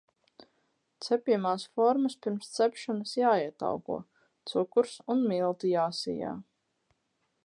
Cepjamās formas pirms cepšanas jāietauko, cukurs un milti jāsijā.